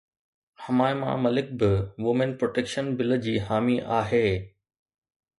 حمائمه ملڪ به women protection bill جي حامي آهي